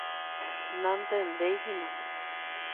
Nantendeihína.